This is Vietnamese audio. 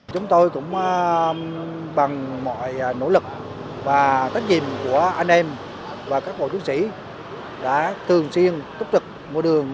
chúng tôi cũng bằng mọi nỗ lực và tác nhiệm của anh em và các bộ chức sĩ đã thường xuyên túc thực một đường